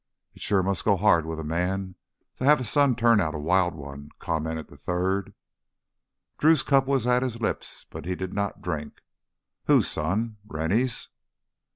"It sure must go hard with a man to have his son turn out a wild one," commented the third. Drew's cup was at his lips, but he did not drink. Whose son? Rennie's?